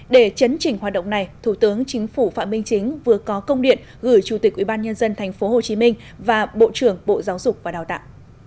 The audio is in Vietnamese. để chấn chỉnh hoạt động này thủ tướng chính phủ phạm minh chính vừa có công điện gửi chủ tịch ubnd tp hcm và bộ trưởng bộ giáo dục và đào tạo